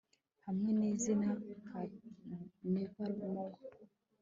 hamwe nizina nka nevermore